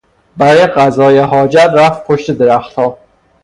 برای قضای حاجت رفت پشت درختها.